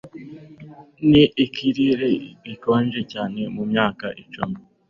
Iki nikirere gikonje cyane mumyaka icumi